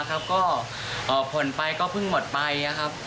ก็ผ่อนไปก็เพิ่งหมดไปนะครับ